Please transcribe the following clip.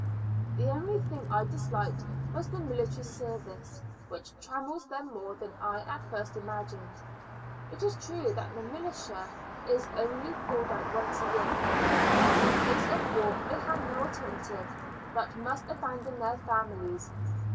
The only thing I disliked was the military service, which trammels them more than I at first imagined. It is true that the militia is only called out once a year, yet in case of war they have no alternative but must abandon their families.